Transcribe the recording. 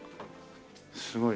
すごい。